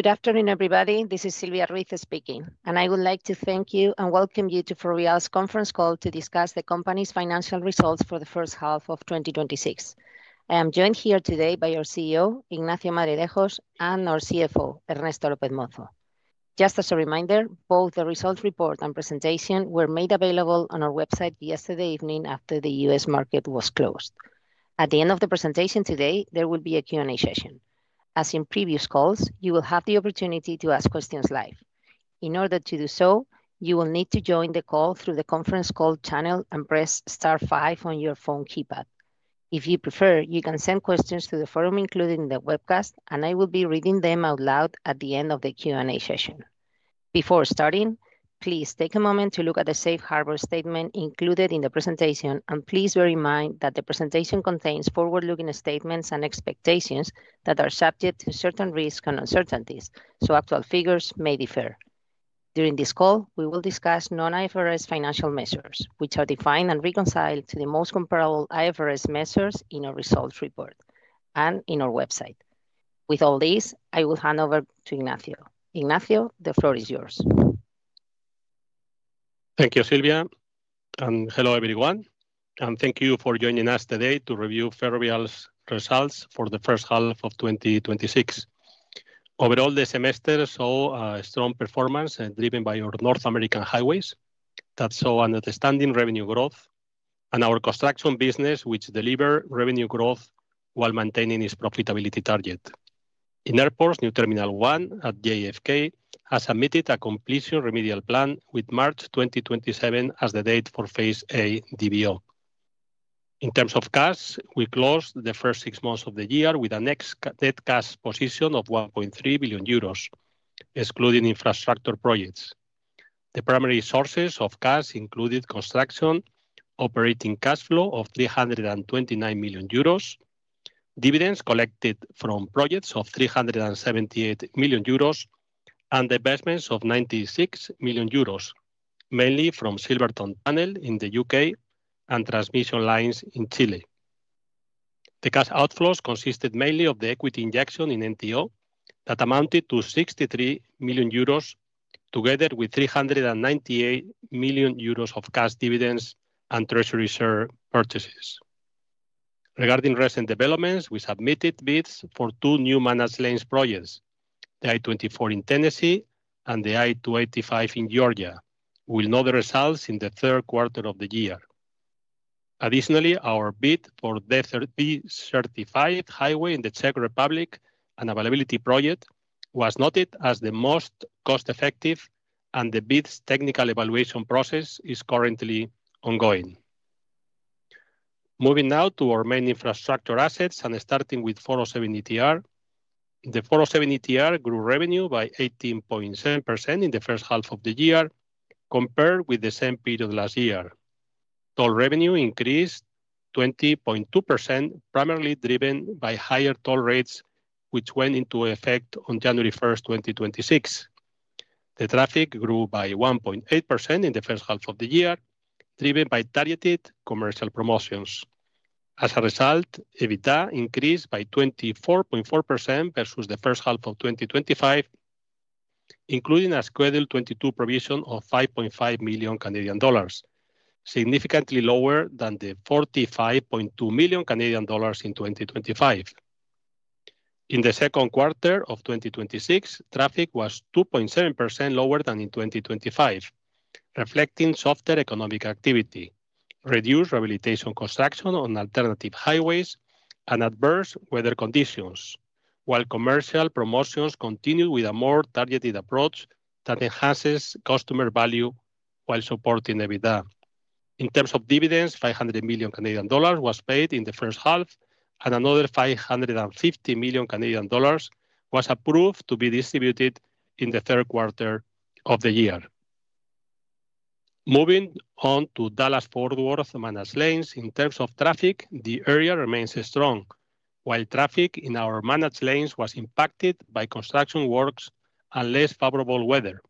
Good afternoon, everybody. This is Silvia Ruiz speaking. I would like to thank you and welcome you to Ferrovial's conference call to discuss the company's financial results for the first half of 2026. I am joined here today by our CEO, Ignacio Madridejos, and our CFO, Ernesto López Mozo. Just as a reminder, both the results report and presentation were made available on our website yesterday evening after the U.S. market was closed. At the end of the presentation today, there will be a Q&A session. As in previous calls, you will have the opportunity to ask questions live. In order to do so, you will need to join the call through the conference call channel and press star five on your phone keypad. If you prefer, you can send questions through the forum included in the webcast. I will be reading them out loud at the end of the Q&A session. Before starting, please take a moment to look at the safe harbor statement included in the presentation. Please bear in mind that the presentation contains forward-looking statements and expectations that are subject to certain risks and uncertainties. Actual figures may differ. During this call, we will discuss non-IFRS financial measures, which are defined and reconciled to the most comparable IFRS measures in our results report and in our website. With all this, I will hand over to Ignacio. Ignacio, the floor is yours. Thank you, Silvia. Hello everyone. Thank you for joining us today to review Ferrovial's results for the first half of 2026. Overall, the semester saw a strong performance, driven by our North American highways that saw outstanding revenue growth and our construction business, which delivered revenue growth while maintaining its profitability target. In airports, New Terminal One at JFK has submitted a completion remedial plan with March 2027 as the date for Phase A DBO. In terms of cash, we closed the first six months of the year with a net cash position of 1.3 billion euros, excluding infrastructure projects. The primary sources of cash included construction, operating cash flow of 329 million euros, dividends collected from projects of 378 million euros, and investments of 96 million euros, mainly from Silvertown Tunnel in the U.K. and transmission lines in Chile. The cash outflows consisted mainly of the equity injection in NTO that amounted to 63 million euros, together with 398 million euros of cash dividends and Treasury share purchases. Regarding recent developments, we submitted bids for two new managed lanes projects, the I-24 in Tennessee, the I-285 in Georgia. We'll know the results in the third quarter of the year. Additionally, our bid for the D35 Highway in the Czech Republic an availability project was noted as the most cost-effective. The bid's technical evaluation process is currently ongoing. Moving now to our main infrastructure assets. Starting with 407 ETR. The 407 ETR grew revenue by 18.7% in the first half of the year compared with the same period last year. Toll revenue increased 20.2%, primarily driven by higher toll rates, which went into effect on January 1st, 2026. The traffic grew by 1.8% in the first half of the year, driven by targeted commercial promotions. EBITDA increased by 24.4% versus the first half of 2025, including a Schedule 22 provision of 5.5 million Canadian dollars, significantly lower than the 45.2 million Canadian dollars in 2025. In the second quarter of 2026, traffic was 2.7% lower than in 2025, reflecting softer economic activity, reduced rehabilitation construction on alternative highways, and adverse weather conditions. Commercial promotions continue with a more targeted approach that enhances customer value while supporting EBITDA. In terms of dividends, 500 million Canadian dollars was paid in the first half, and another 550 million Canadian dollars was approved to be distributed in the third quarter of the year. Moving on to Dallas-Fort Worth Managed Lanes. In terms of traffic, the area remains strong. Traffic in our managed lanes was impacted by construction works and less favorable weather.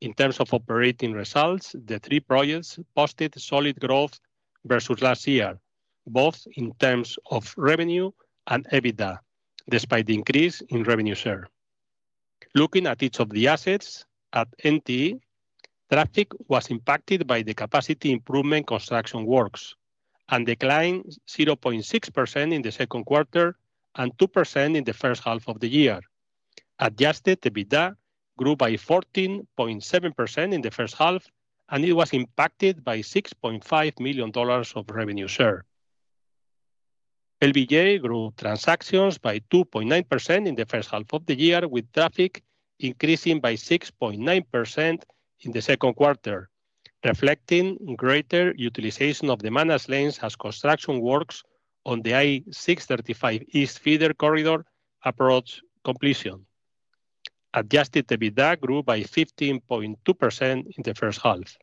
In terms of operating results, the three projects posted solid growth versus last year, both in terms of revenue and EBITDA, despite the increase in revenue share. Looking at each of the assets, at NT, traffic was impacted by the capacity improvement construction works and declined 0.6% in the second quarter and 2% in the first half of the year. Adjusted EBITDA grew by 14.7% in the first half, and it was impacted by $6.5 million of revenue share. LBJ grew transactions by 2.9% in the first half of the year, with traffic increasing by 6.9% in the second quarter, reflecting greater utilization of the managed lanes as construction works on the I-635 East feeder corridor approach completion. Adjusted EBITDA grew by 15.2% in the first half.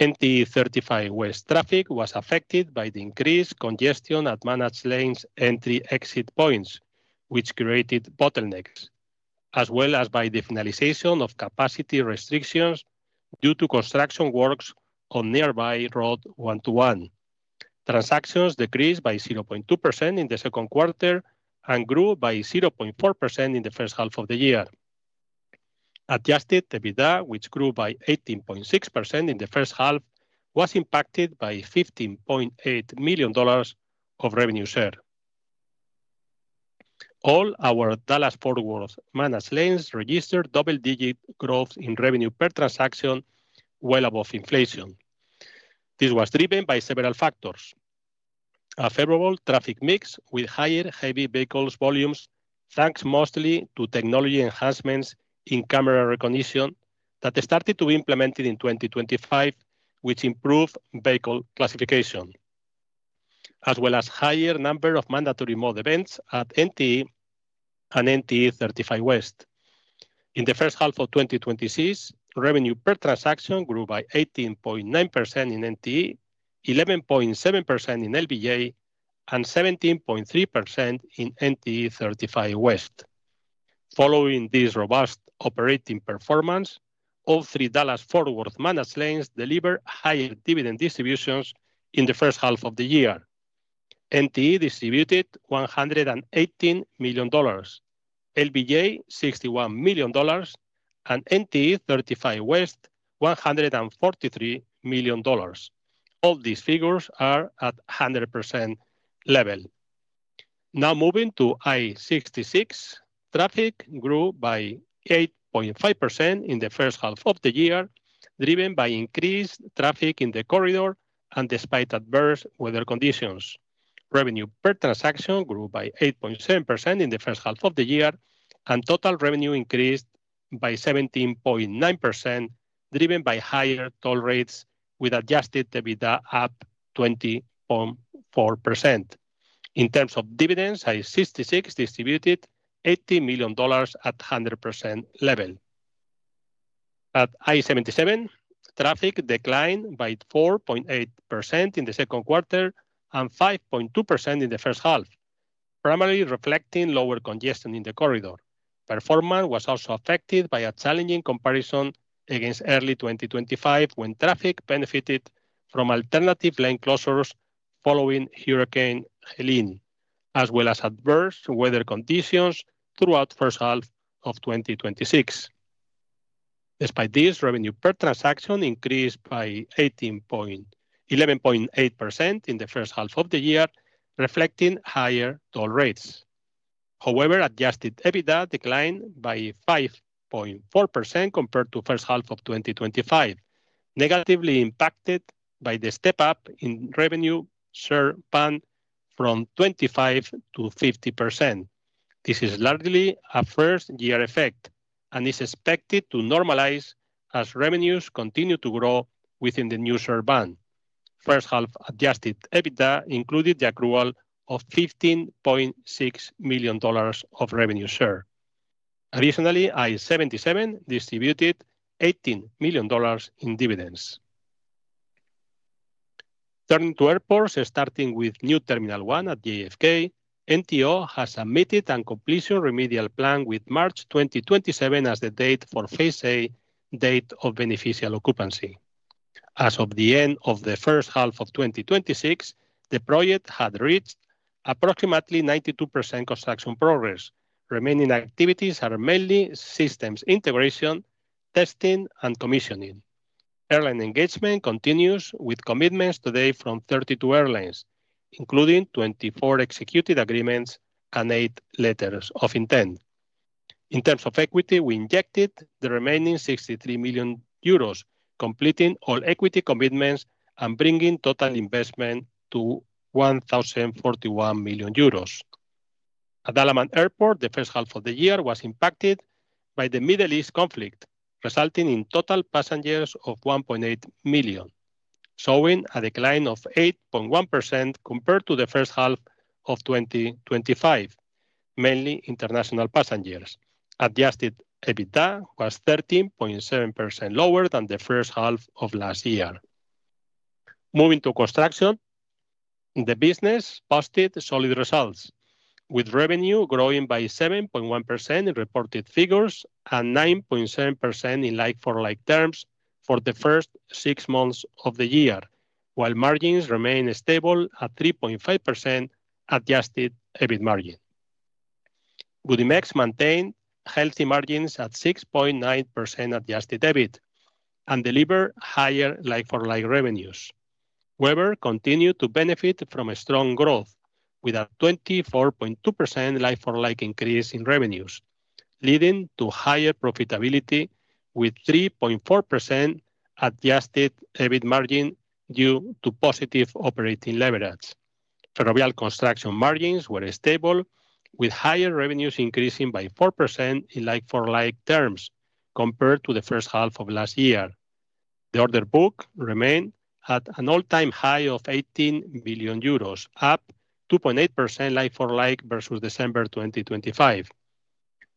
NTE 35 West traffic was affected by the increased congestion at managed lanes entry/exit points, which created bottlenecks, as well as by the finalization of capacity restrictions due to construction works on nearby State Highway 121. Transactions decreased by 0.2% in the second quarter and grew by 0.4% in the first half of the year. Adjusted EBITDA, which grew by 18.6% in the first half, was impacted by $15.8 million of revenue share. All our Dallas-Fort Worth Managed Lanes registered double-digit growth in revenue per transaction, well above inflation. This was driven by several factors. A favorable traffic mix with higher heavy vehicles volumes, thanks mostly to technology enhancements in camera recognition that started to be implemented in 2025, which improved vehicle classification, as well as higher number of mandatory mode events at NT and NTE 35 West. In the first half of 2026, revenue per transaction grew by 18.9% in NT, 11.7% in LBJ, and 17.3% in NTE 35 West. Following this robust operating performance, all three Dallas-Fort Worth Managed Lanes delivered higher dividend distributions in the first half of the year. NT distributed $118 million, LBJ $61 million, and NTE 35 West $143 million. All these figures are at 100% level. Moving to I-66. Traffic grew by 8.5% in the first half of the year, driven by increased traffic in the corridor and despite adverse weather conditions. Revenue per transaction grew by 8.7% in the first half of the year, and total revenue increased by 17.9%, driven by higher toll rates, with Adjusted EBITDA up 20.4%. In terms of dividends, I-66 distributed $80 million at 100% level. At I-77, traffic declined by 4.8% in the second quarter and 5.2% in the first half, primarily reflecting lower congestion in the corridor. Performance was also affected by a challenging comparison against early 2025, when traffic benefited from alternative lane closures following Hurricane Helene, as well as adverse weather conditions throughout first half of 2026. Despite this, revenue per transaction increased by 11.8% in the first half of the year, reflecting higher toll rates. However, adjusted EBITDA declined by 5.4% compared to first half of 2025, negatively impacted by the step-up in revenue share band from 25% to 50%. This is largely a first-year effect and is expected to normalize as revenues continue to grow within the new share band. First half adjusted EBITDA included the accrual of $15.6 million of revenue share. Additionally, I-77 distributed $18 million in dividends. Turning to airports, starting with New Terminal One at JFK, NTO has submitted and completed remedial plan with March 2027 as the date for Phase A date of beneficial occupancy. As of the end of the first half of 2026, the project had reached approximately 92% construction progress. Remaining activities are mainly systems integration, testing, and commissioning. Airline engagement continues with commitments today from 32 airlines, including 24 executed agreements and eight letters of intent. In terms of equity, we injected the remaining 63 million euros, completing all equity commitments and bringing total investment to 1,041 million euros. At Dalaman Airport, the first half of the year was impacted by the Middle East conflict, resulting in total passengers of 1.8 million, showing a decline of 8.1% compared to the first half of 2025, mainly international passengers. Adjusted EBITDA was 13.7% lower than the first half of last year. Moving to construction. The business posted solid results, with revenue growing by 7.1% in reported figures and 9.7% in like-for-like terms for the first six months of the year. While margins remain stable at 3.5% adjusted EBIT margin. Budimex maintained healthy margins at 6.9% adjusted EBIT and delivered higher like-for-like revenues. Webber continued to benefit from a strong growth, with a 24.2% like-for-like increase in revenues, leading to higher profitability with 3.4% adjusted EBIT margin due to positive operating leverage. Ferrovial Construction margins were stable, with higher revenues increasing by 4% in like-for-like terms compared to the first half of last year. The order book remained at an all-time high of 18 billion euros, up 2.8% like-for-like versus December 2025,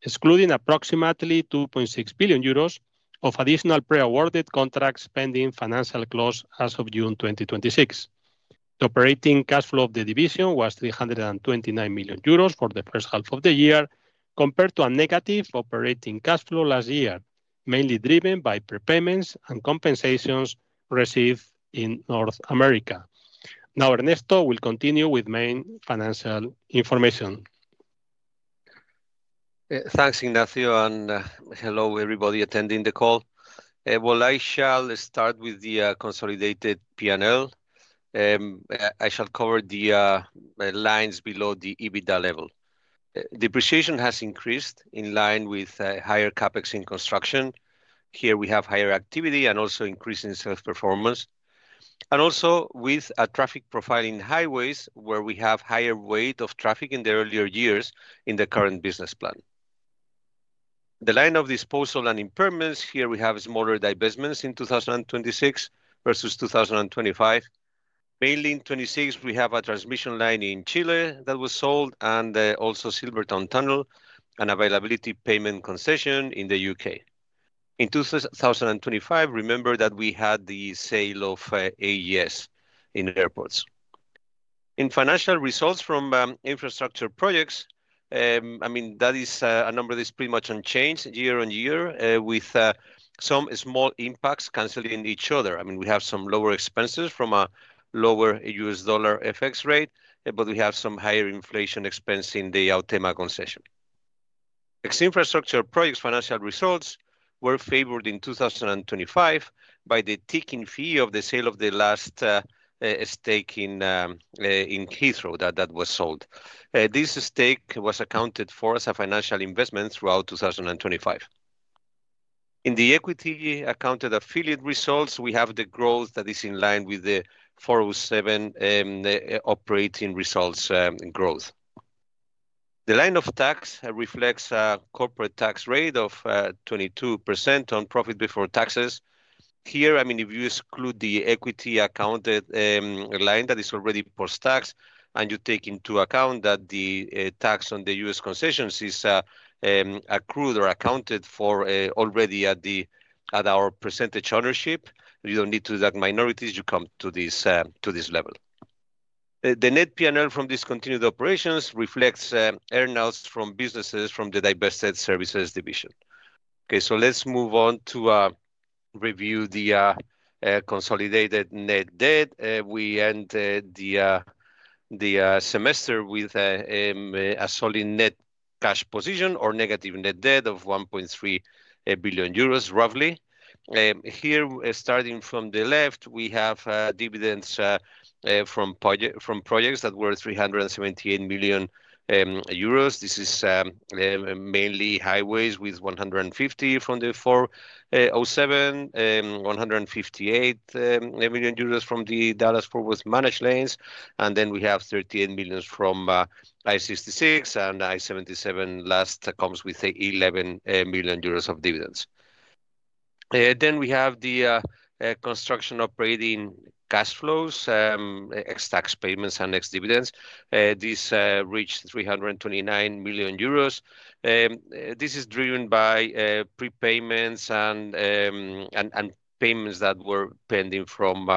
excluding approximately 2.6 billion euros of additional pre-awarded contracts pending financial close as of June 2026. The operating cash flow of the division was 329 million euros for the first half of the year compared to a negative operating cash flow last year mainly driven by prepayments and compensations received in North America. Ernesto will continue with the main financial information. Hello, everybody attending the call. I shall start with the consolidated P&L. I shall cover the lines below the EBITDA level. Depreciation has increased in line with higher CapEx in construction. Here we have higher activity and also an increase in sales performance, and also with traffic profiling highways, where we have a higher weight of traffic in the earlier years in the current business plan. The line of disposal and impairments, here we have smaller divestments in 2026 versus 2025. Mainly in 2026, we have a transmission line in Chile that was sold and also Silvertown Tunnel, an availability payment concession in the U.K. In 2025, remember that we had the sale of AGS in airports. Financial results from infrastructure projects, that is a number that is pretty much unchanged year-on-year, with some small impacts canceling each other. We have some lower expenses from a lower U.S. dollar FX rate, we have some higher inflation expense in the Autema concession. Ex-infrastructure projects financial results were favored in 2025 by the ticking fee of the sale of the last stake in Heathrow that was sold. This stake was accounted for as a financial investment throughout 2025. The equity accounted affiliate results, we have the growth that is in line with the 407 operating results growth. The line of tax reflects a corporate tax rate of 22% on profit before taxes. If you exclude the equity accounted line that is already post-tax, and you take into account that the tax on the U.S. concessions is accrued or accounted for already at our percentage ownership, you don't need to do that minorities, you come to this level. The net P&L from discontinued operations reflects earn-outs from businesses from the divested services division. Let's move on to review the consolidated net debt. We ended the semester with a solid net cash position or negative net debt of 1.3 billion euros, roughly. Starting from the left, we have dividends from projects that were 378 million euros. This is mainly highways with 150 million from the 407, 158 million euros from the Dallas-Fort Worth Managed Lanes, we have 38 million from I-66 and I-77 last comes with 11 million euros of dividends. We have the construction operating cash flows, ex tax payments, and ex dividends. This reached 329 million euros. This is driven by prepayments and payments that were pending from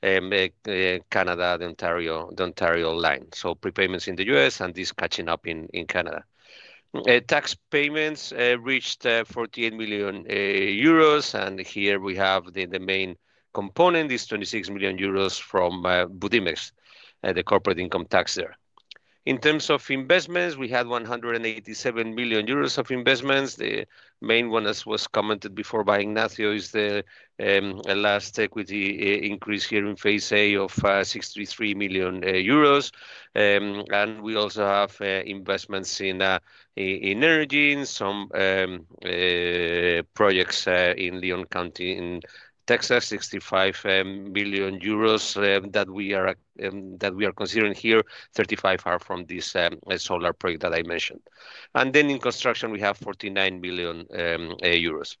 Canada, the Ontario line. Prepayments in the U.S. and this catching up in Canada. Tax payments reached 48 million euros, here we have the main component, this 26 million euros from Budimex, the corporate income tax there. In terms of investments, we had 187 million euros of investments. The main one, as was commented before by Ignacio, is the last equity increase here in Phase A of 63 million euros. We also have investments in energy, some projects in Leon County, in Texas, 65 million euros that we are considering here, 35 million are from this solar project that I mentioned. In construction, we have 49 million euros.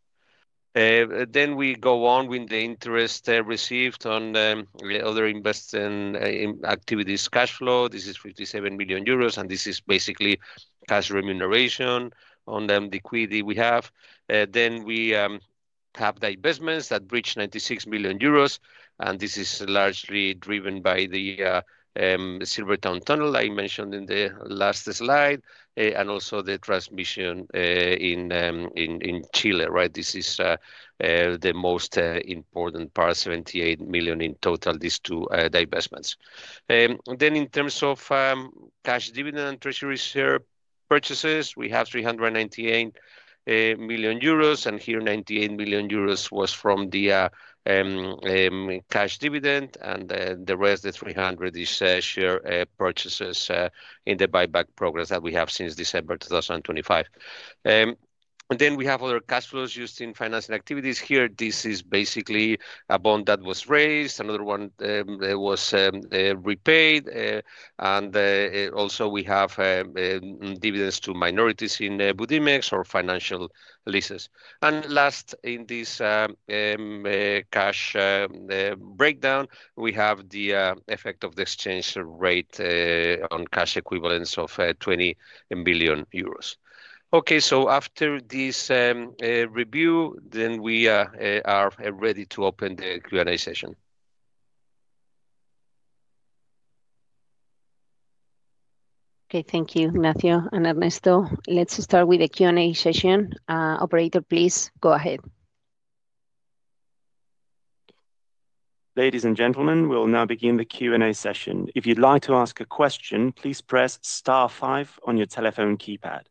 We go on with the interest received on the other investing activities cash flow. This is 57 million euros, and this is basically cash remuneration on the equity we have. We have the investments that reach 96 million euros, and this is largely driven by the Silvertown Tunnel I mentioned in the last slide, and also the transmission in Chile. This is the most important part, 78 million in total, these two divestments. In terms of cash dividend and treasury share purchases, we have 398 million euros, and here, 98 million euros was from the cash dividend, and the rest, the 300 million, is share purchases in the buyback programs that we have since December 2025. We have other cash flows used in financing activities here. This is basically a bond that was raised, another one that was repaid, and also we have dividends to minorities in Budimex or financial leases. Last in this cash breakdown, we have the effect of the exchange rate on cash equivalents of 20 million euros. Okay. After this review, we are ready to open the Q&A session. Okay. Thank you, Ignacio and Ernesto. Let's start with the Q&A session. Operator, please go ahead. Ladies and gentlemen, we'll now begin the Q&A session. If you'd like to ask a question, please press star five on your telephone keypad.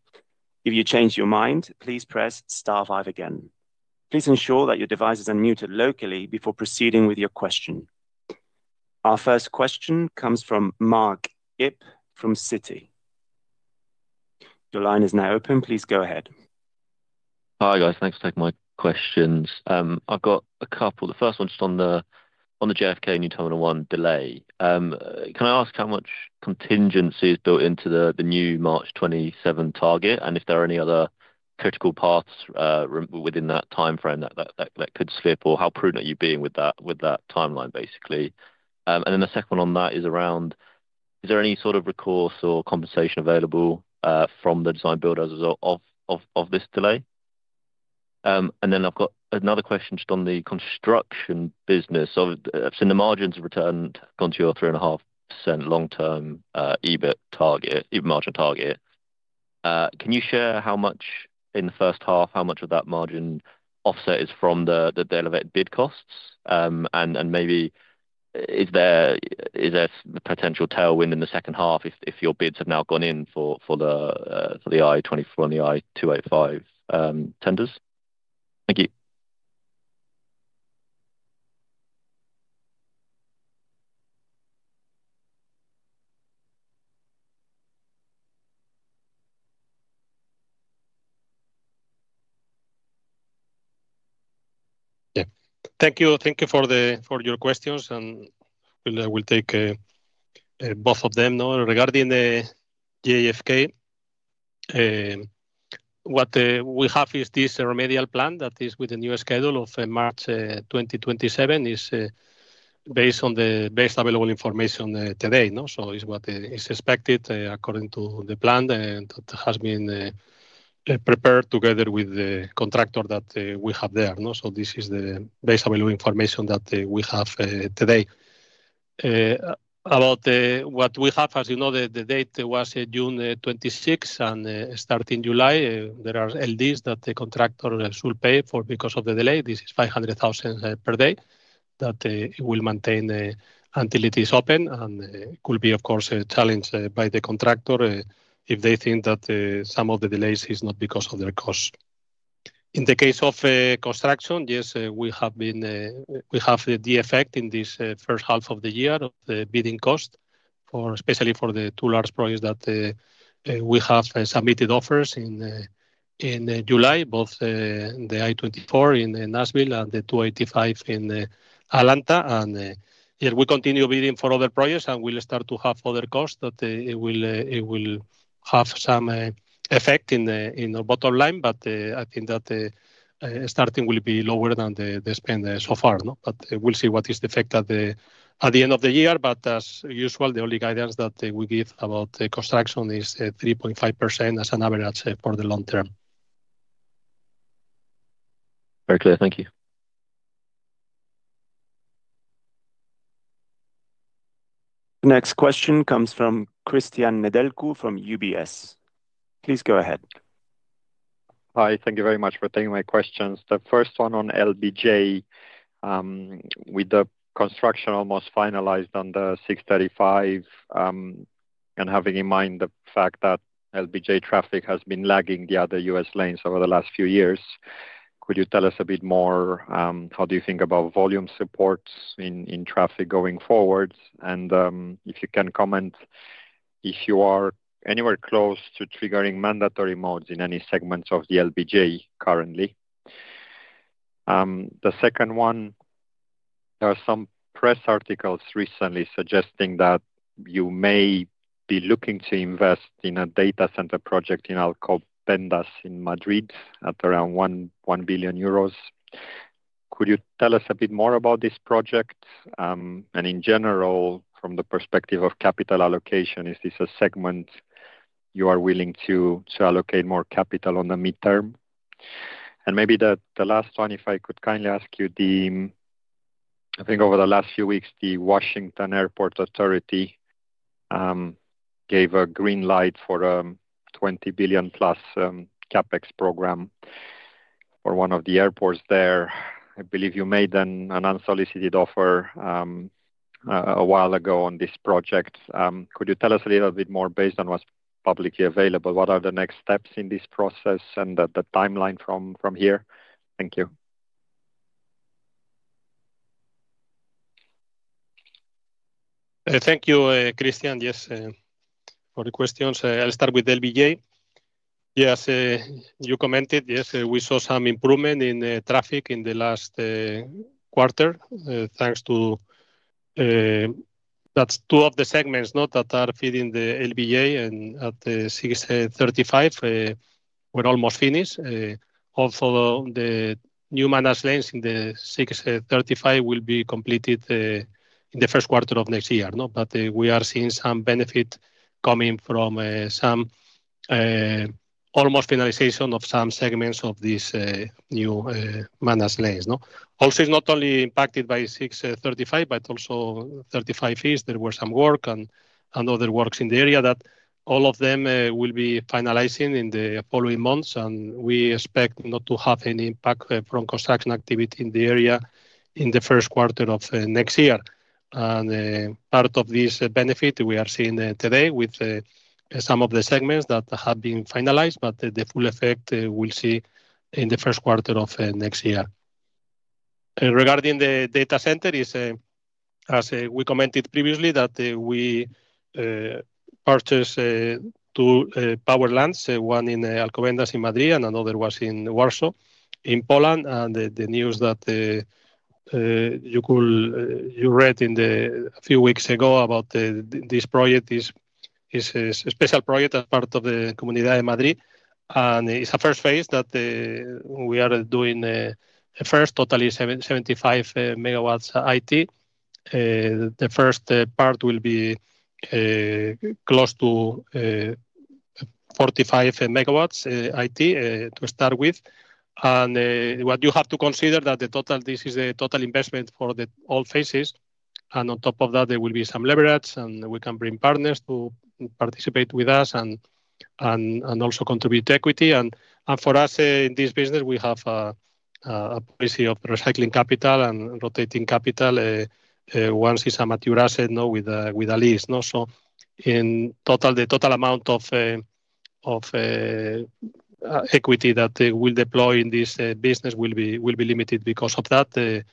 If you change your mind, please press star five again. Please ensure that your devices are muted locally before proceeding with your question. Our first question comes from Marc Ip from Citi. Your line is now open. Please go ahead. Hi, guys. Thanks for taking my questions. I've got a couple. The first one's just on the JFK New Terminal One delay. Can I ask how much contingency is built into the new March 2027 target, and if there are any other critical paths within that timeframe that could slip, or how prudent are you being with that timeline, basically? The second one on that is around, is there any sort of recourse or compensation available from the design builders as a result of this delay? I've got another question just on the construction business. I've seen the margins have returned, gone to your 3.5% long-term EBIT margin target. Can you share how much in the first half, how much of that margin offset is from the elevated bid costs? Maybe, is there the potential tailwind in the second half if your bids have now gone in for the I-24 and the I-285 tenders? Thank you. Thank you for your questions, we'll take both of them now. Regarding the JFK, what we have is this remedial plan that is with the new schedule of March 2027, is based on the best available information today. It's what is expected according to the plan, that has been prepared together with the contractor that we have there. This is the best available information that we have today. About what we have, as you know, the date was June 26, starting July, there are LDs that the contractor should pay for because of the delay. This is 500,000 per day that it will maintain until it is open. Could be, of course, challenged by the contractor if they think that some of the delays is not because of their cost. In the case of construction, yes, we have the effect in this first half of the year of the bidding cost, especially for the two large projects that we have submitted offers in July, both the I-24 in Nashville and the I-285 in Atlanta. Yet we continue bidding for other projects, we'll start to have other costs that it will have some effect in the bottom line. I think that starting will be lower than the spend so far. We'll see what is the effect at the end of the year. As usual, the only guidance that we give about the construction is 3.5% as an average for the long term. Very clear. Thank you. Next question comes from Cristian Nedelcu from UBS. Please go ahead. Hi. Thank you very much for taking my questions. The first one on LBJ. With the construction almost finalized on the 635, having in mind the fact that LBJ traffic has been lagging the other U.S. lanes over the last few years, could you tell us a bit more, how do you think about volume supports in traffic going forward? If you can comment if you are anywhere close to triggering mandatory modes in any segments of the LBJ currently. The second one, there are some press articles recently suggesting that you may be looking to invest in a data center project in Alcobendas in Madrid at around 1 billion euros. Could you tell us a bit more about this project? In general, from the perspective of capital allocation, is this a segment you are willing to allocate more capital on the mid-term? Maybe the last one, if I could kindly ask you. I think over the last few weeks, the Washington Airports Authority gave a green light for a 20 billion+ CapEx program for one of the airports there. I believe you made an unsolicited offer a while ago on this project. Could you tell us a little bit more based on what's publicly available, what are the next steps in this process and the timeline from here? Thank you. Thank you, Cristian. Yes. For the questions, I'll start with LBJ. Yes. You commented, yes, we saw some improvement in traffic in the last quarter, thanks to two of the segments, note, that are feeding the LBJ, and at the 635, we're almost finished. Also, the new managed lanes in the 635 will be completed in the first quarter of next year. But we are seeing some benefit coming from some almost finalization of some segments of this new managed lanes. Also, it's not only impacted by 635, but also 35E. There were some work and other works in the area that all of them will be finalizing in the following months, and we expect not to have any impact from construction activity in the area in the first quarter of next year. Part of this benefit we are seeing today with some of the segments that have been finalized, but the full effect we'll see in the first quarter of next year. Regarding the data center, as we commented previously, that we purchased two power lands, one in Alcobendas, in Madrid, and another was in Warsaw, in Poland. The news that you read a few weeks ago about this project, is a special project as part of the Comunidad de Madrid, and it's a first phase that we are doing first totally 75 MW IT. The first part will be close to 45 MW IT to start with. What you have to consider that this is a total investment for the all phases. On top of that, there will be some leverage, and we can bring partners to participate with us and also contribute equity. For us, in this business, we have a policy of recycling capital and rotating capital. Once it's a mature asset with a lease. So in total, the total amount of equity that we'll deploy in this business will be limited because of that,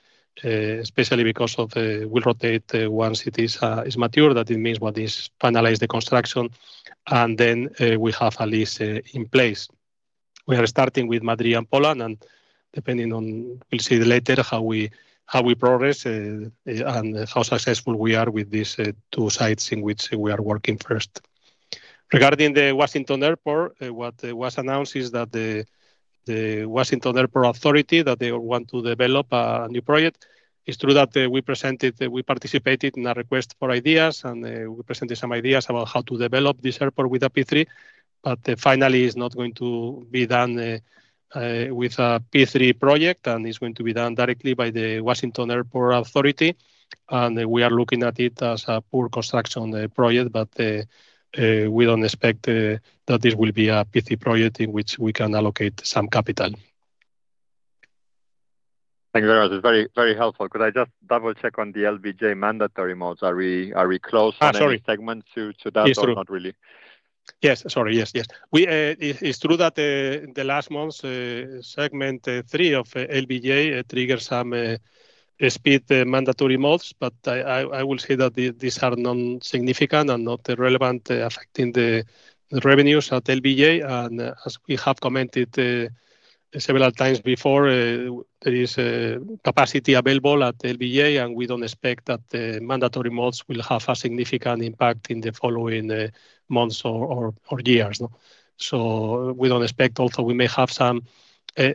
especially because of we'll rotate once it is mature, that it means what is finalized the construction. Then we have a lease in place. We are starting with Madrid and Poland, and depending on, we'll see later how we progress and how successful we are with these two sites in which we are working first. Regarding the Washington Airport, what was announced is that the Washington Airport Authority, that they want to develop a new project. It's true that we participated in a request for ideas, and we presented some ideas about how to develop this airport with a P3, but finally it's not going to be done with a P3 project, and it's going to be done directly by the Washington Airport Authority. We are looking at it as a poor construction project, but we don't expect that this will be a P3 project in which we can allocate some capital. Thanks, Ignacio. It's very helpful. Could I just double-check on the LBJ mandatory modes? Are we close- Sorry. on any segment to that- It's true. or not really? Yes. Sorry. Yes. It's true that the last months, segment three of LBJ triggered some speed mandatory modes, I will say that these are non-significant and not relevant affecting the revenues at LBJ. As we have commented several times before, there is capacity available at LBJ, and we don't expect that the mandatory modes will have a significant impact in the following months or years. We don't expect, although we may have some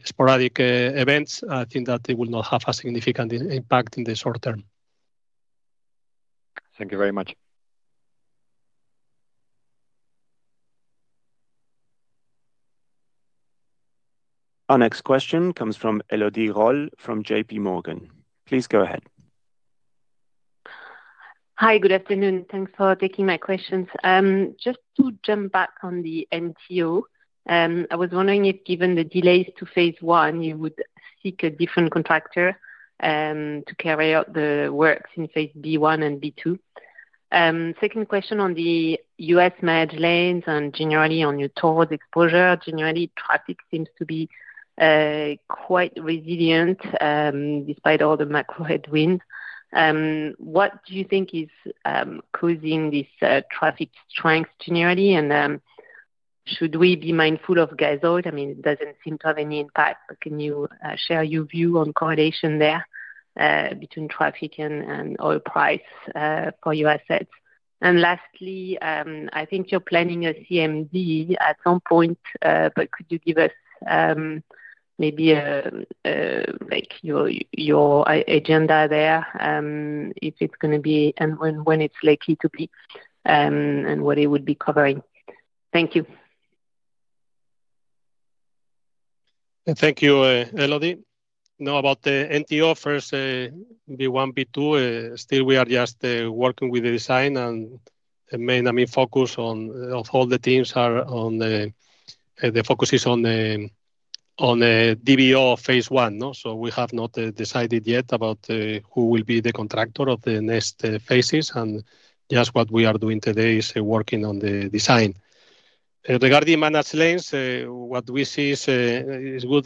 sporadic events, I think that they will not have a significant impact in the short term. Thank you very much. Our next question comes from Elodie Rall from JPMorgan. Please go ahead. Hi. Good afternoon. Thanks for taking my questions. Just to jump back on the NTO. I was wondering if, given the delays to Phase A, you would seek a different contractor to carry out the works in Phase B1 and B2? Second question on the U.S. Managed Lanes and generally on your tolls exposure. Generally, traffic seems to be quite resilient, despite all the macro headwinds. What do you think is causing this traffic strength generally, and should we be mindful of gasoline? It doesn't seem to have any impact, but can you share your view on correlation there, between traffic and oil price for your assets? Lastly, I think you're planning a CMD at some point, but could you give us maybe your agenda there, if it's going to be, and when it's likely to be, and what it would be covering? Thank you. Thank you, Elodie. About the NTO first, B1, B2, still we are just working with the design and the main focus of all the teams are on the DBO Phase A. We have not decided yet about who will be the contractor of the next phases, and just what we are doing today is working on the design. Regarding managed lanes, what we see is good.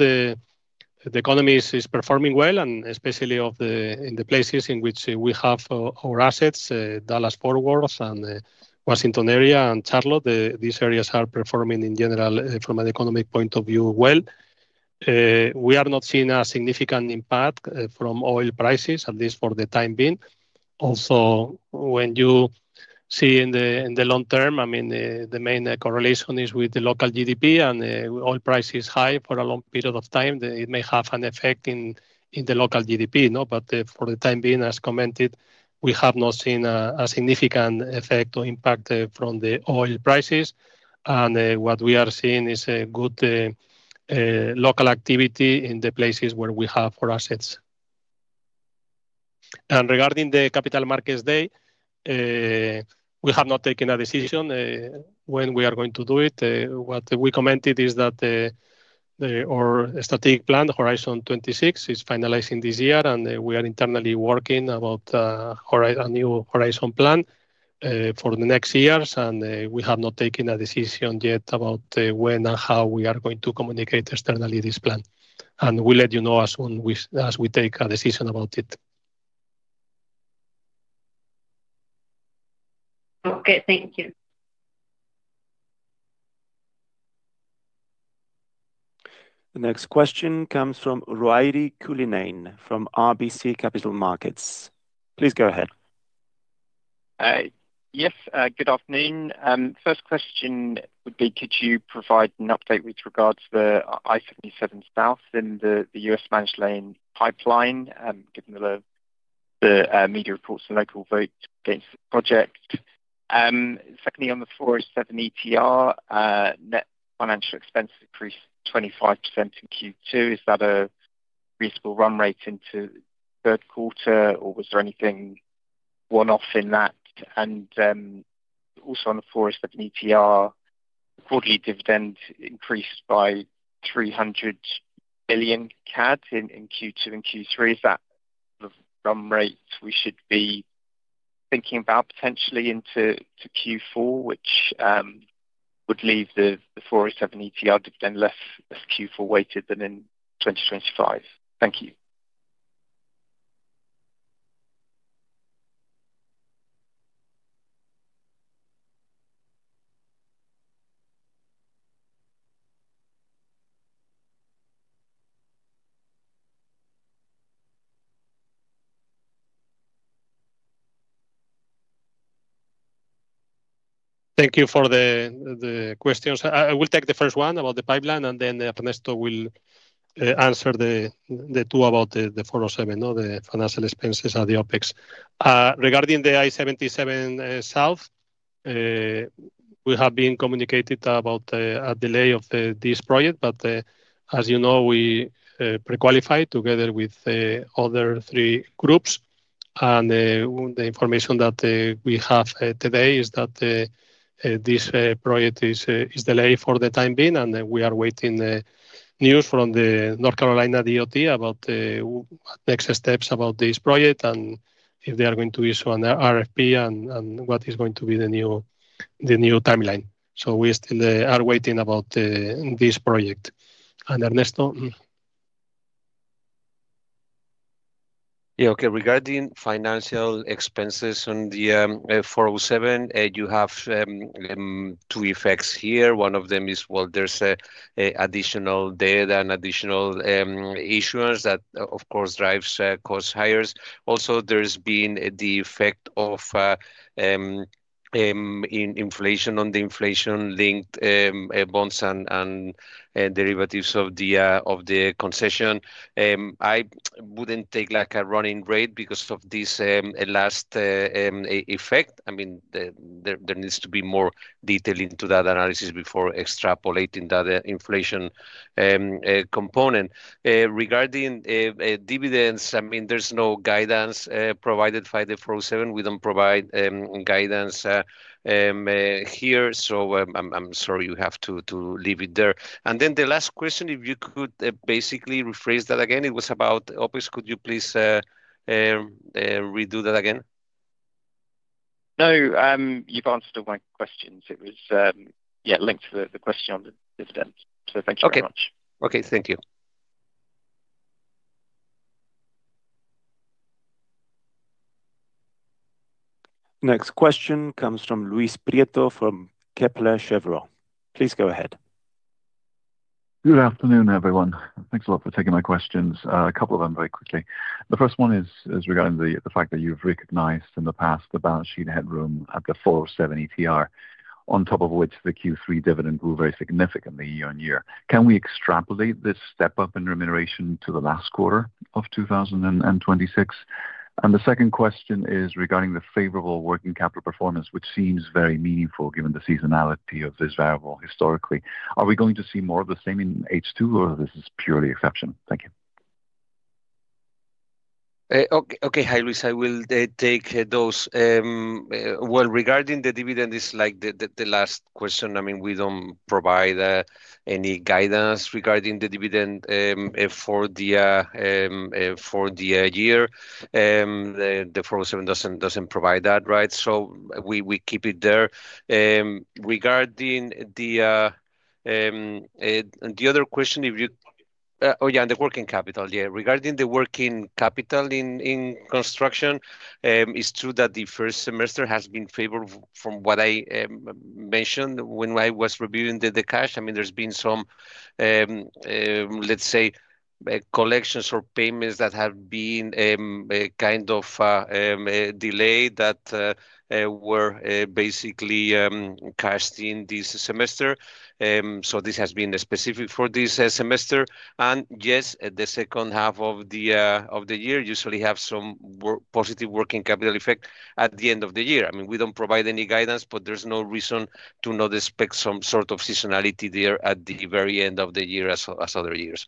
The economy is performing well, especially in the places in which we have our assets, Dallas North Tollway and Washington area and Charlotte. These areas are performing in general from an economic point of view well. We are not seeing a significant impact from oil prices, at least for the time being. When you see in the long term, the main correlation is with the local GDP, and oil price is high for a long period of time, it may have an effect in the local GDP. For the time being, as commented, we have not seen a significant effect or impact from the oil prices. What we are seeing is a good local activity in the places where we have our assets. Regarding the Capital Markets Day, we have not taken a decision when we are going to do it. What we commented is that our strategic plan, Horizon 24, is finalizing this year, and we are internally working about a new Horizon plan for the next years. We have not taken a decision yet about when and how we are going to communicate externally this plan. We'll let you know as we take a decision about it. Okay. Thank you. The next question comes from Ruairi Cullinane from RBC Capital Markets. Please go ahead. Yes, good afternoon. First question would be, could you provide an update with regards to the I-77 South and the U.S. Managed Lane pipeline, given the media reports the local vote against the project. Secondly, on the 407 ETR, net financial expense increased 25% in Q2. Is that a reasonable run rate into the third quarter, or was there anything one-off in that? Also on the 407 ETR, quarterly dividend increased by 300 million CAD in Q2 and Q3. Is that the run rate we should be thinking about potentially into Q4, which would leave the 407 ETR dividend less Q4-weighted than in 2025? Thank you. Thank you for the questions. I will take the first one about the pipeline, then Ernesto will answer the two about the 407, the financial expenses, and the OpEx. Regarding the I-77 South, we have been communicated about a delay of this project. As you know, we pre-qualified together with the other three groups, and the information that we have today is that this project is delayed for the time being, and we are waiting news from the North Carolina DOT about what next steps about this project and if they are going to issue an RFP and what is going to be the new timeline. We still are waiting about this project. Ernesto? Yeah, okay. Regarding financial expenses on the 407, you have two effects here. One of them is, there's additional debt and additional issuance that, of course, drives costs higher. Also, there's been the effect of inflation on the inflation-linked bonds and derivatives of the concession. I wouldn't take a running rate because of this last effect. There needs to be more detail into that analysis before extrapolating that inflation component. Regarding dividends, there's no guidance provided by the 407. We don't provide guidance here, so I'm sorry, you have to leave it there. The last question, if you could basically rephrase that again. It was about OpEx. Could you please redo that again? No, you've answered all my questions. It was linked to the question on the dividends. Thank you very much. Okay. Thank you. Next question comes from Luis Prieto from Kepler Cheuvreux. Please go ahead. Good afternoon, everyone. Thanks a lot for taking my questions. A couple of them very quickly. The first one is regarding the fact that you've recognized in the past the balance sheet headroom at the 407 ETR, on top of which the Q3 dividend grew very significantly year-over-year. Can we extrapolate this step-up in remuneration to the last quarter of 2026? The second question is regarding the favorable working capital performance, which seems very meaningful given the seasonality of this variable historically. Are we going to see more of the same in H2, or this is purely exception? Thank you. Okay. Hi, Luis. I will take those. Regarding the dividend, it's like the last question. We don't provide any guidance regarding the dividend for the year. The 407 doesn't provide that, right? We keep it there. Regarding the other question, the working capital in construction, it's true that the first semester has been favorable from what I mentioned when I was reviewing the cash. There's been some, let's say collections or payments that have been kind of delayed that were basically cashed in this semester. This has been specific for this semester. Yes, the second half of the year usually have some positive working capital effect at the end of the year. We don't provide any guidance, but there's no reason to not expect some sort of seasonality there at the very end of the year as other years.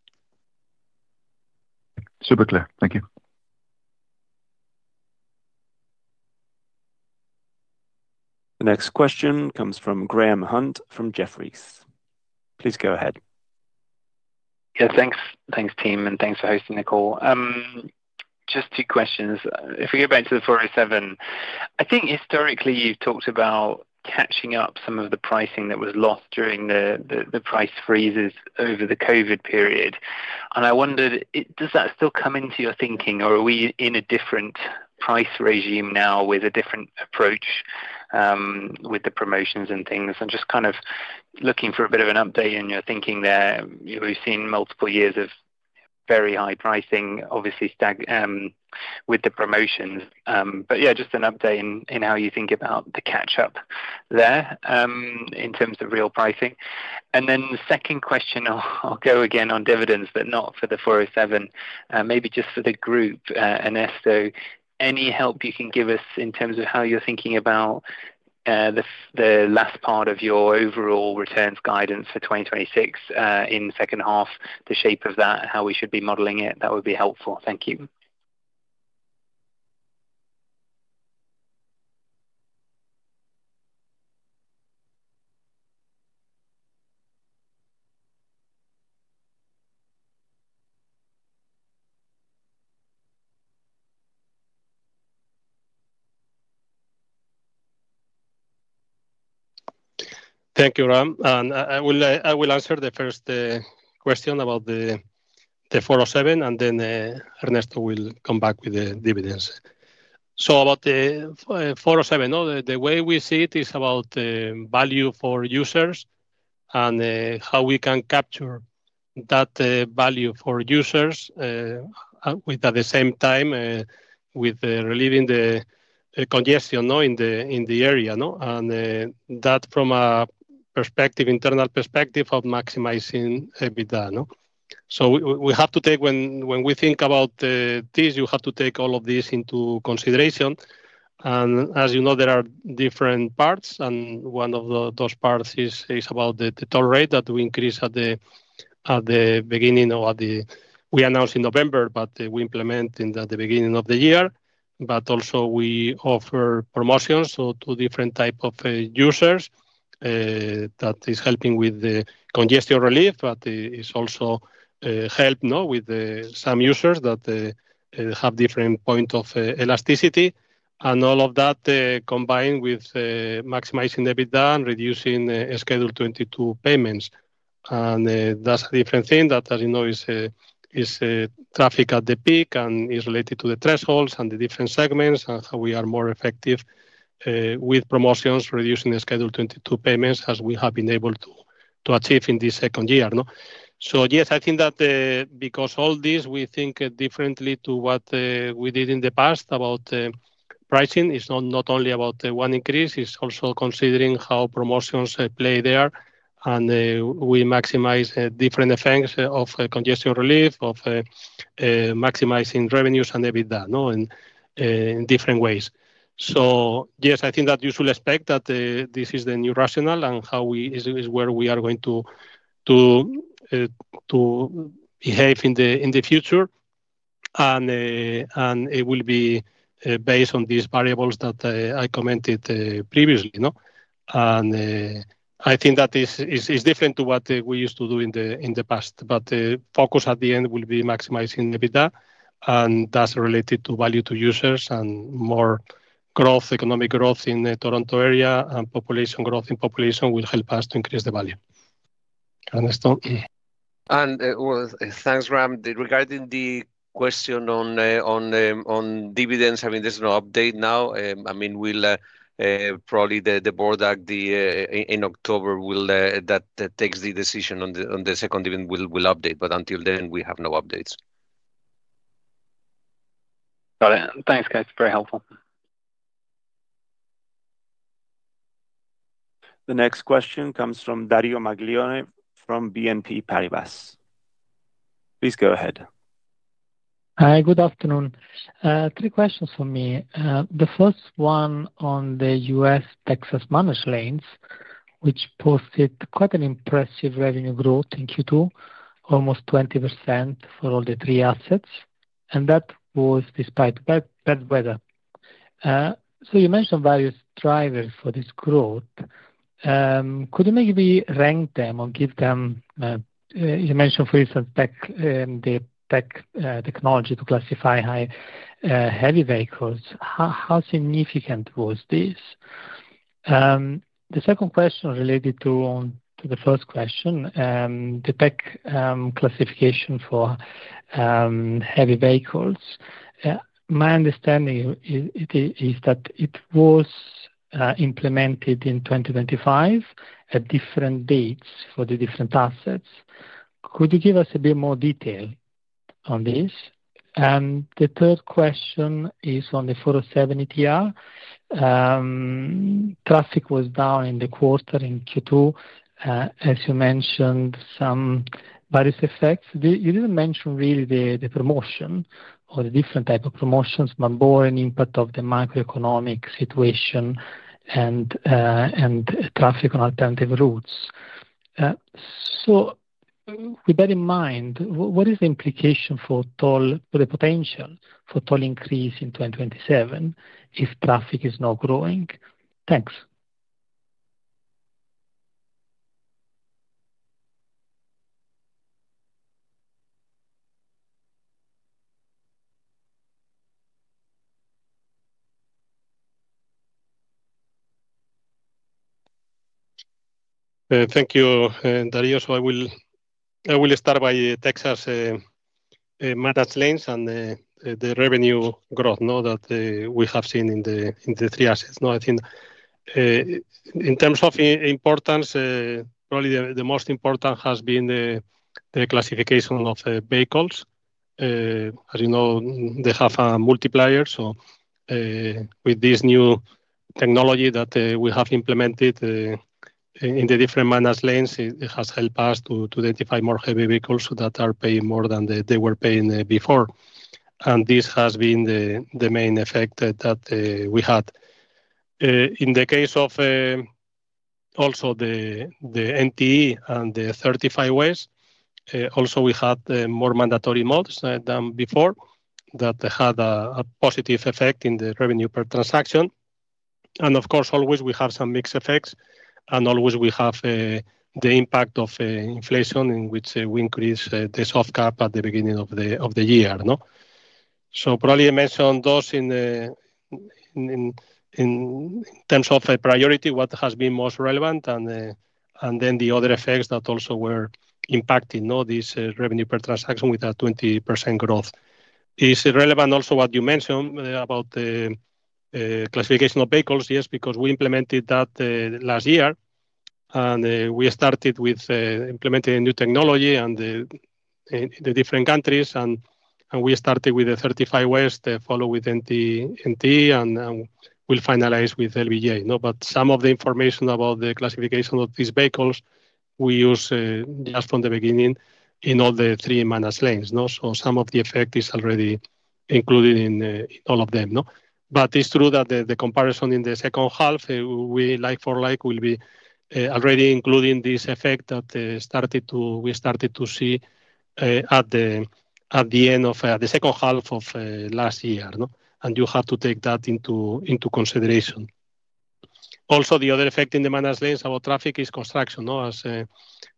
Super clear. Thank you. The next question comes from Graham Hunt from Jefferies. Please go ahead. Yeah, thanks team, and thanks for hosting the call. Just two questions. If we go back to the 407, I think historically you've talked about catching up some of the pricing that was lost during the price freezes over the COVID period. I wondered, does that still come into your thinking or are we in a different price regime now with a different approach with the promotions and things? I am just kind of looking for a bit of an update in your thinking there. We have seen multiple years of very high pricing, obviously stacked with the promotions. Yeah, just an update in how you think about the catch-up there, in terms of real pricing. Then the second question, I will go again on dividends, but not for the 407, maybe just for the group, Ernesto. Any help you can give us in terms of how you are thinking about the last part of your overall returns guidance for 2026, in the second half, the shape of that, how we should be modeling it, that would be helpful. Thank you. Thank you, Graham. I will answer the first question about the 407, and then Ernesto will come back with the dividends. About the 407, the way we see it is about value for users and how we can capture that value for users, at the same time, with relieving the congestion in the area. That from an internal perspective of maximizing EBITDA. When we think about this, you have to take all of this into consideration. As you know, there are different parts, and one of those parts is about the toll rate that we increase. We announced in November, but we implement at the beginning of the year. Also we offer promotions to different type of users, that is helping with the congestion relief, but is also help with some users that have different point of elasticity. All of that combined with maximizing the EBITDA and reducing Schedule 22 payments. That is a different thing that, as you know, is traffic at the peak and is related to the thresholds and the different segments and how we are more effective, with promotions, reducing the Schedule 22 payments as we have been able to achieve in this second year. Yes, I think that because all this, we think differently to what we did in the past about pricing. It is not only about one increase, it is also considering how promotions play there. We maximize different effects of congestion relief, of maximizing revenues and EBITDA in different ways. Yes, I think that you should expect that this is the new rationale and how is where we are going to behave in the future. It will be based on these variables that I commented previously. I think that is different to what we used to do in the past. The focus at the end will be maximizing the EBITDA. That's related to value to users and more economic growth in the Toronto area. Population growth in population will help us to increase the value. Ernesto? Well, thanks, Graham. Regarding the question on dividends, I mean, there's no update now. Probably the board in October, that takes the decision on the second dividend, will update. Until then, we have no updates. Got it. Thanks, guys. Very helpful. The next question comes from Dario Maglione from BNP Paribas. Please go ahead. Hi, good afternoon. Three questions from me. The first one on the U.S. Texas Managed Lanes, which posted quite an impressive revenue growth in Q2, almost 20% for all the three assets, and that was despite bad weather. You mentioned various drivers for this growth. Could you maybe rank them or give them? You mentioned, for instance, the technology to classify high heavy vehicles. How significant was this? The second question related to the first question, the tech classification for heavy vehicles. My understanding is that it was implemented in 2025 at different dates for the different assets. Could you give us a bit more detail on this? The third question is on the 407 ETR. Traffic was down in the quarter in Q2. As you mentioned, some various effects. You didn't mention really the promotion or the different type of promotions, but more an impact of the macroeconomic situation and traffic on alternative routes. With that in mind, what is the implication for the potential for toll increase in 2027 if traffic is now growing? Thanks. Thank you, Dario. I will start by Texas Managed Lanes and the revenue growth that we have seen in the three assets. I think in terms of importance, probably the most important has been the classification of vehicles. As you know, they have a multiplier. With this new technology that we have implemented in the different managed lanes, it has helped us to identify more heavy vehicles that are paying more than they were paying before. This has been the main effect that we had. In the case of also the NT and the 35 West, also we had more mandatory modes than before that had a positive effect in the revenue per transaction. Of course, always we have some mixed effects, and always we have the impact of inflation in which we increase the soft CapEx at the beginning of the year. Probably I mentioned those in terms of priority, what has been most relevant, and then the other effects that also were impacting this revenue per transaction with a 20% growth. It's relevant also what you mentioned about the classification of vehicles. Yes, because we implemented that last year, and we started with implementing new technology in the different countries, and we started with the 35 West, followed with NT, and we'll finalize with LBJ. Some of the information about the classification of these vehicles we used just from the beginning in all the three managed lanes. Some of the effect is already included in all of them. It's true that the comparison in the second half, like for like, will be already including this effect that we started to see at the end of the second half of last year. You have to take that into consideration. The other effect in the managed lanes about traffic is construction. As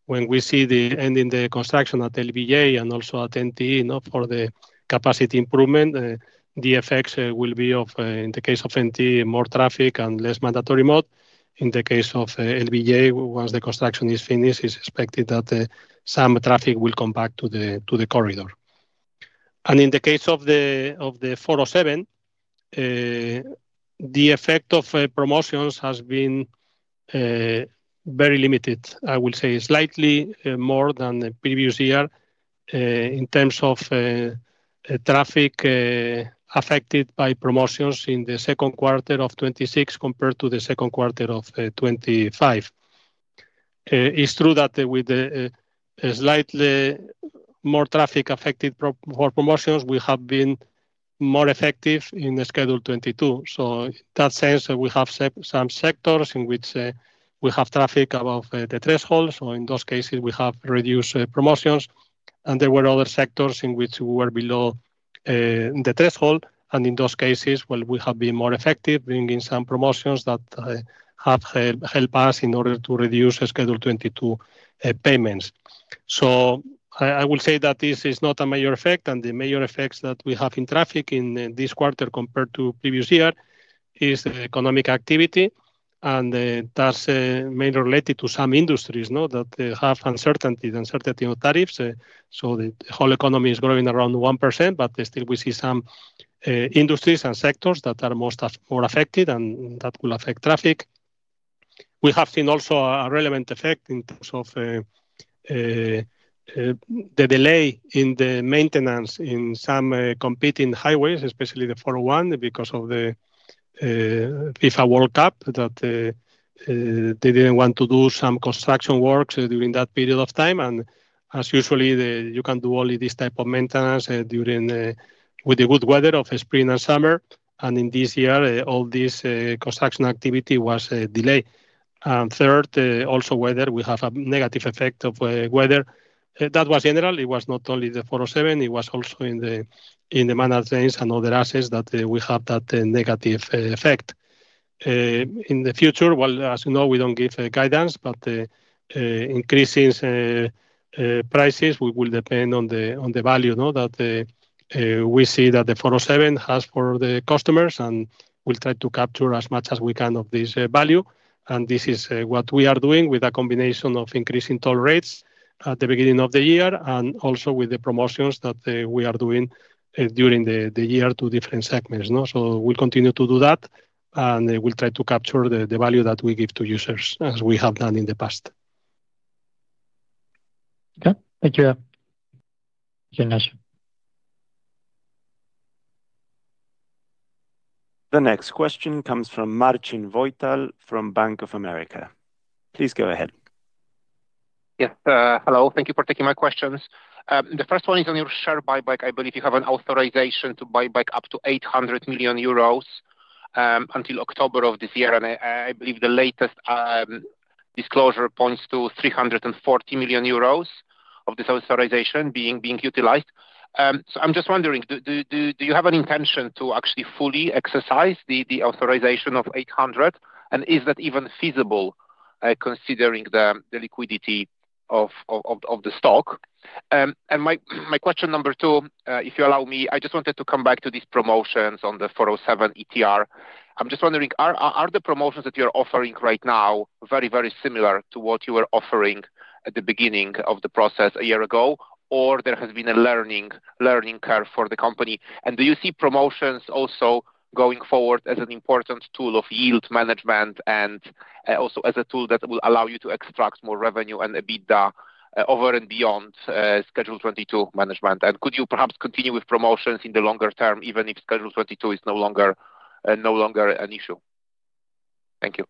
when we see the end in the construction at LBJ and also at NT, for the capacity improvement, the effects will be of, in the case of NT, more traffic and less mandatory mode. In the case of LBJ, once the construction is finished, it's expected that some traffic will come back to the corridor. In the case of the 407, the effect of promotions has been very limited. I will say slightly more than the previous year, in terms of traffic affected by promotions in the second quarter of 2026 compared to the second quarter of 2025. It's true that with slightly more traffic affected by more promotions, we have been more effective in Schedule 22. In that sense, we have some sectors in which we have traffic above the threshold. In those cases, we have reduced promotions. There were other sectors in which we were below the threshold, and in those cases, well, we have been more effective bringing some promotions that have helped us in order to reduce Schedule 22 payments. I will say that this is not a major effect, and the major effects that we have in traffic in this quarter compared to previous year is economic activity. That's mainly related to some industries that have uncertainty of tariffs. The whole economy is growing around 1%, but still we see some industries and sectors that are more affected and that will affect traffic. We have seen also a relevant effect in terms of the delay in the maintenance in some competing highways, especially the 401, because of the FIFA World Cup, that they didn't want to do some construction works during that period of time. As usually, you can do only this type of maintenance with the good weather of spring and summer. In this year, all this construction activity was delayed. Third, also weather. We have a negative effect of weather. That was general. It was not only the 407, it was also in the managed lanes and other assets that we have that negative effect. In the future, well, as you know, we don't give guidance, but increasing prices will depend on the value that we see that the 407 has for the customers, and we'll try to capture as much as we can of this value. This is what we are doing with a combination of increasing toll rates at the beginning of the year and also with the promotions that we are doing during the year to different segments. We'll continue to do that, and we'll try to capture the value that we give to users as we have done in the past. Okay. Thank you, Ignacio. The next question comes from Marcin Wojtal from Bank of America. Please go ahead. Yes. Hello. Thank you for taking my questions. The first one is on your share buyback. I believe you have an authorization to buy back up to 800 million euros until October of this year. I believe the latest disclosure points to 340 million euros of this authorization being utilized. I'm just wondering, do you have an intention to actually fully exercise the authorization of 800 million, and is that even feasible considering the liquidity of the stock? My question number two, if you allow me, I just wanted to come back to these promotions on the 407 ETR. I'm just wondering, are the promotions that you're offering right now very similar to what you were offering at the beginning of the process a year ago, or there has been a learning curve for the company? Do you see promotions also going forward as an important tool of yield management and also as a tool that will allow you to extract more revenue and EBITDA over and beyond Schedule 22 management? Could you perhaps continue with promotions in the longer term, even if Schedule 22 is no longer an issue? Thank you.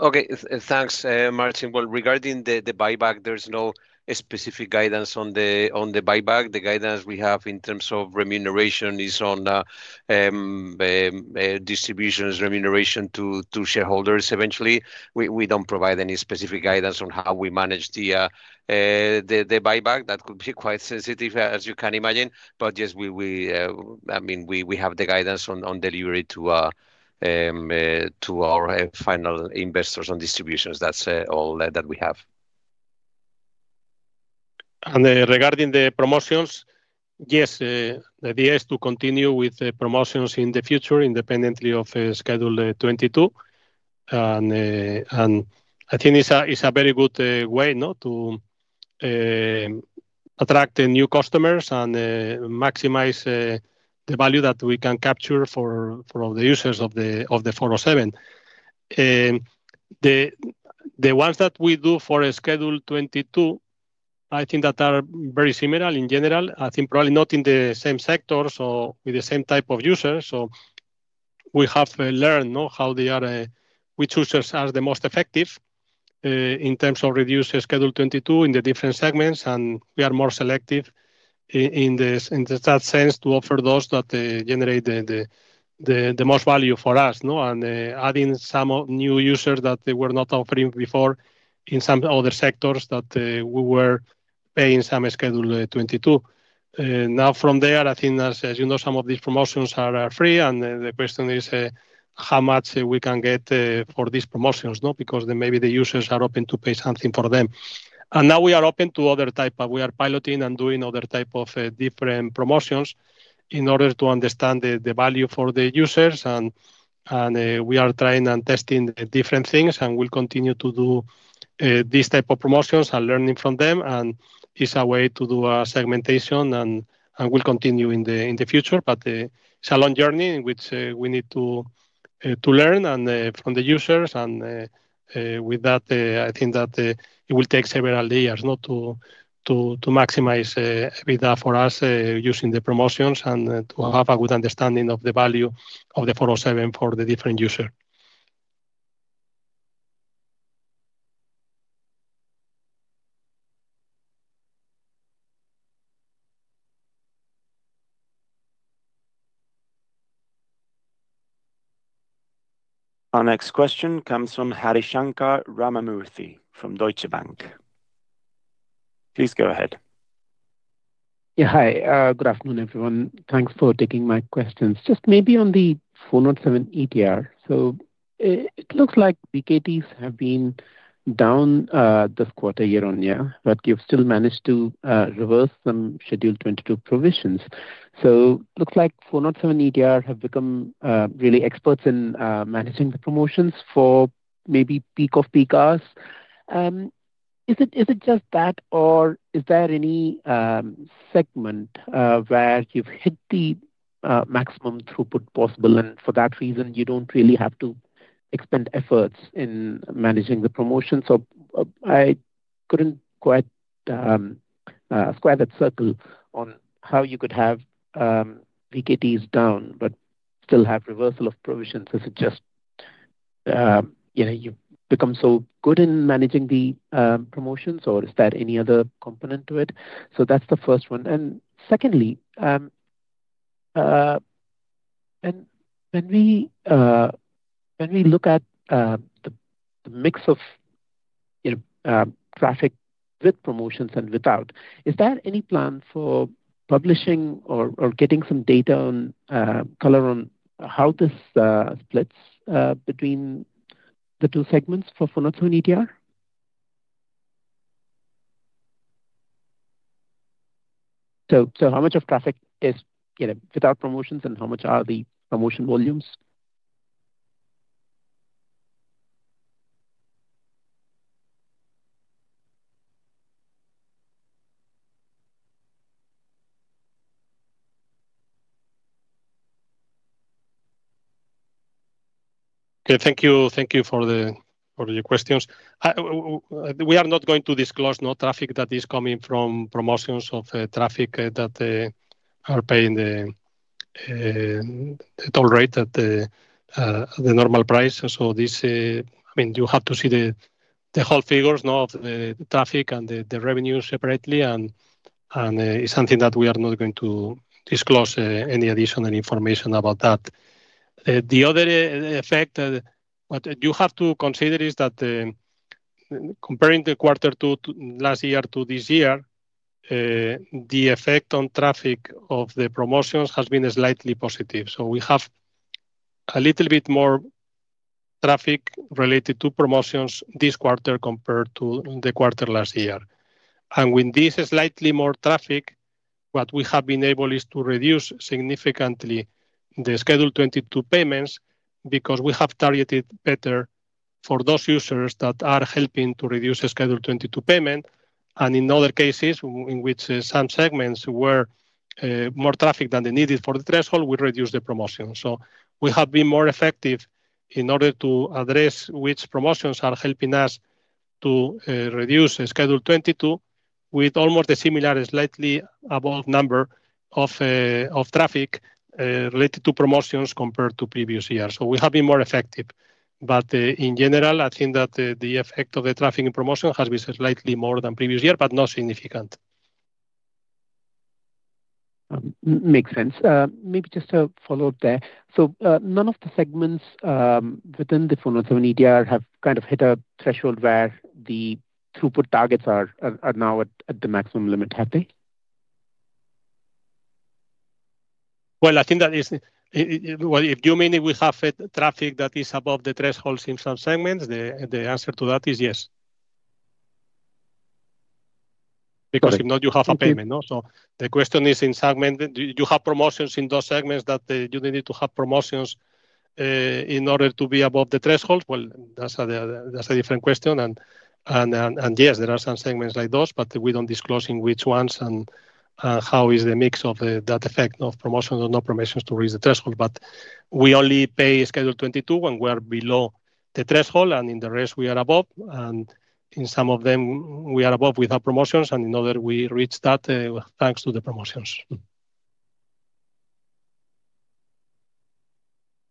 Thanks, Marcin. Regarding the buyback, there's no specific guidance on the buyback. The guidance we have in terms of remuneration is on distributions, remuneration to shareholders eventually. We don't provide any specific guidance on how we manage the buyback. That could be quite sensitive, as you can imagine. Yes, we have the guidance on delivery to our final investors on distributions. That's all that we have. Regarding the promotions, yes. The idea is to continue with the promotions in the future independently of Schedule 22. I think it's a very good way to attract new customers and maximize the value that we can capture for all the users of the 407. The ones that we do for Schedule 22, I think that are very similar in general. I think probably not in the same sectors or with the same type of users. We have learned which users are the most effective in terms of reducing Schedule 22 in the different segments, and we are more selective in that sense to offer those that generate the most value for us. Adding some new users that they were not offering before in some other sectors that we were paying some Schedule 22. From there, I think that as you know, some of these promotions are free. The question is how much we can get for these promotions. Maybe the users are open to pay something for them. We are piloting and doing other type of different promotions in order to understand the value for the users. We are trying and testing different things. We'll continue to do these type of promotions and learning from them. It's a way to do a segmentation. Will continue in the future. It's a long journey in which we need to learn from the users. With that, I think that it will take several years to maximize EBITDA for us using the promotions and to have a good understanding of the value of the 407 for the different user. Our next question comes from Harishankar Ramamoorthy from Deutsche Bank. Please go ahead. Yeah. Hi, good afternoon, everyone. Thanks for taking my questions. Just maybe on the 407 ETR. It looks like VKTs have been down this quarter year-on-year, but you've still managed to reverse some Schedule 22 provisions. It looks like 407 ETR have become really experts in managing the promotions for maybe peak of peak hours. Is it just that or is there any segment where you've hit the maximum throughput possible, and for that reason, you don't really have to expend efforts in managing the promotion? I couldn't quite square that circle on how you could have VKTs down but still have reversal of provisions. Is it just you've become so good in managing the promotions, or is there any other component to it? That's the first one. Secondly, when we look at the mix of traffic with promotions and without, is there any plan for publishing or getting some data on color on how this splits between the two segments for 407 ETR? How much of traffic is without promotions and how much are the promotion volumes? Okay. Thank you for your questions. We are not going to disclose traffic that is coming from promotions of traffic that are paying the toll rate at the normal price. You have to see the whole figures of the traffic and the revenue separately, it's something that we are not going to disclose any additional information about that. The other effect, what you have to consider is that comparing the quarter last year to this year, the effect on traffic of the promotions has been slightly positive. We have a little bit more traffic related to promotions this quarter compared to the quarter last year. With this slightly more traffic, what we have been able is to reduce significantly the Schedule 22 payments because we have targeted better for those users that are helping to reduce the Schedule 22 payment. In other cases, in which some segments were more traffic than they needed for the threshold, we reduced the promotion. We have been more effective in order to address which promotions are helping us to reduce Schedule 22 with almost a similar, slightly above number of traffic related to promotions compared to previous years. We have been more effective. In general, I think that the effect of the traffic and promotion has been slightly more than previous year, but not significant. Makes sense. Maybe just a follow-up there. None of the segments within the 407 ETR have hit a threshold where the throughput targets are now at the maximum limit, have they? Well, if you mean we have traffic that is above the thresholds in some segments, the answer to that is yes. Because if not, you have a payment. The question is, do you have promotions in those segments that you need to have promotions in order to be above the threshold? Well, that's a different question. Yes, there are some segments like those, but we don't disclose which ones and how is the mix of that effect of promotions or no promotions to raise the threshold. We only pay Schedule 22 when we are below the threshold, and in the rest we are above. In some of them, we are above without promotions, and in other, we reach that thanks to the promotions.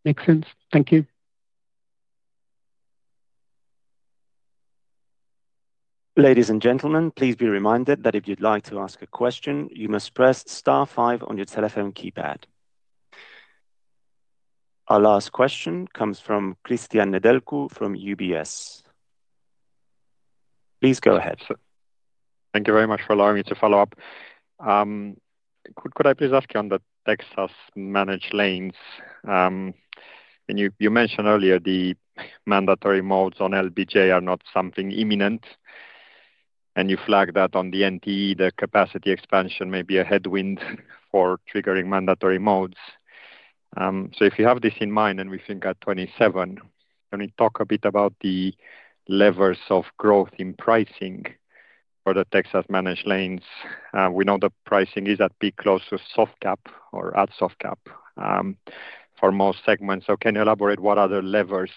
Makes sense. Thank you. Ladies and gentlemen, please be reminded that if you'd like to ask a question, you must press star five on your telephone keypad. Our last question comes from Cristian Nedelcu from UBS. Please go ahead, sir. Thank you very much for allowing me to follow up. Could I please ask you on the Texas Managed Lanes, you mentioned earlier the mandatory modes on LBJ are not something imminent, and you flagged that on the NT, the capacity expansion may be a headwind for triggering mandatory modes. If you have this in mind, we think at 2027, can we talk a bit about the levers of growth in pricing for the Texas Managed Lanes? We know the pricing is at peak close to soft cap or at soft cap for most segments. Can you elaborate what other levers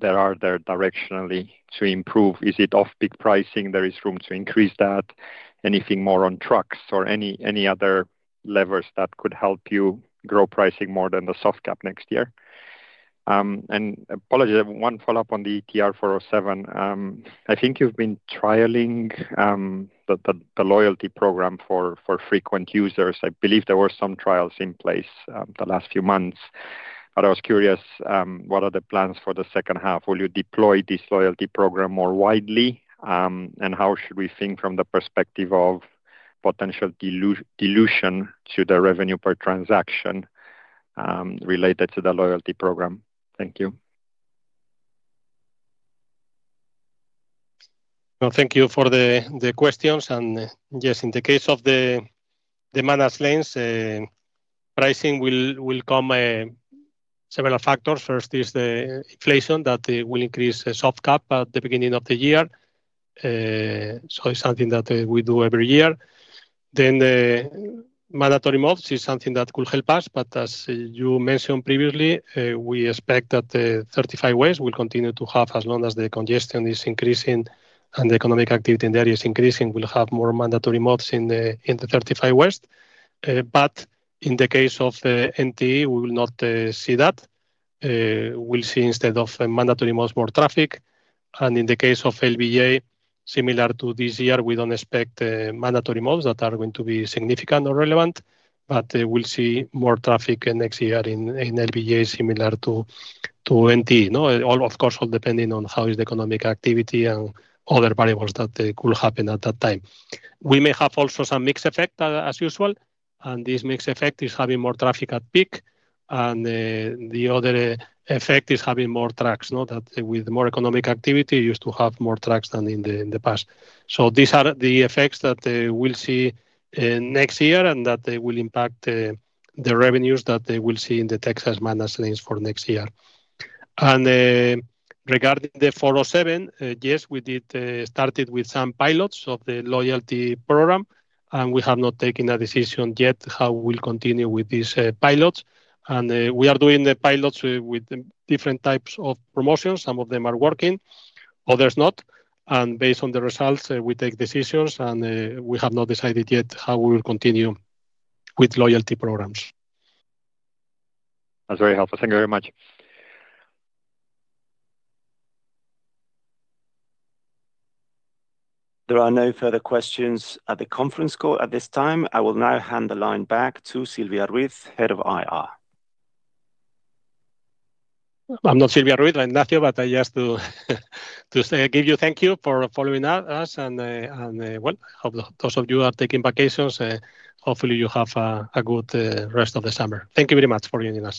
that are there directionally to improve? Is it off-peak pricing? There is room to increase that. Anything more on trucks or any other levers that could help you grow pricing more than the soft cap next year? Apologies, I have one follow-up on the 407 ETR. I think you've been trialing the loyalty program for frequent users. I believe there were some trials in place the last few months, I was curious, what are the plans for the second half? Will you deploy this loyalty program more widely? How should we think from the perspective of potential dilution to the revenue per transaction related to the loyalty program? Thank you. Well, thank you for the questions. Yes, in the case of the managed lanes, pricing will come several factors. First is the inflation that will increase soft cap at the beginning of the year. It's something that we do every year. Then, mandatory modes is something that will help us. But as you mentioned previously, we expect that the 35 West will continue to have, as long as the congestion is increasing and the economic activity in the area is increasing, we'll have more mandatory modes in the 35 West. But in the case of NT, we will not see that. We'll see instead of mandatory modes, more traffic. In the case of LBJ, similar to this year, we don't expect mandatory modes that are going to be significant or relevant, we'll see more traffic next year in LBJ similar to NT. Of course, all depending on how is the economic activity and other variables that could happen at that time. We may have also some mix effect as usual, this mix effect is having more traffic at peak, the other effect is having more trucks. Now that with more economic activity, used to have more trucks than in the past. These are the effects that we'll see next year and that will impact the revenues that we'll see in the Texas Managed Lanes for next year. Regarding the 407, yes, we did start with some pilots of the loyalty program, we have not taken a decision yet how we will continue with these pilots. We are doing the pilots with different types of promotions. Some of them are working, others not. Based on the results, we take decisions, we have not decided yet how we will continue with loyalty programs. That's very helpful. Thank you very much. There are no further questions at the conference call at this time. I will now hand the line back to Silvia Ruiz, Head of IR. I'm not Silvia Ruiz. I'm Ignacio, but I just to give you thank you for following us, and well, hope those of you are taking vacations, hopefully you have a good rest of the summer. Thank you very much for joining us